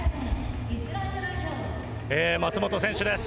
松元選手です。